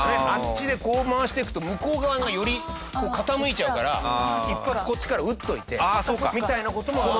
あっちでこう回していくと向こう側がより傾いちゃうから１発こっちから打っといてみたいな事も。